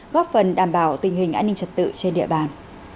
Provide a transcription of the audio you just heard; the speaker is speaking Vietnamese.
góp phần đảm bảo tình hình an ninh trật tự trên địa bàn